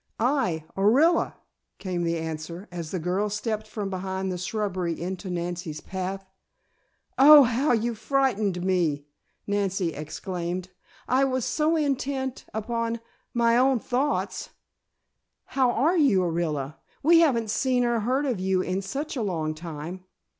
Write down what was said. "I, Orilla," came the answer, as the girl stepped from behind the shrubbery into Nancy's path. "Oh, how you frightened me!" Nancy exclaimed. "I was so intent upon my own thoughts. How are you, Orilla? We haven't seen or heard of you in such a long time."